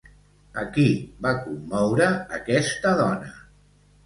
A qui va commoure aquesta dona?